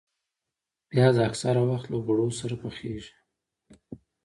پیاز اکثره وخت له غوړو سره پخېږي